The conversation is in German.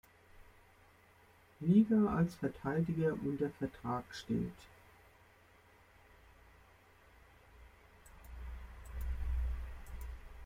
Liga als Verteidiger unter Vertrag steht.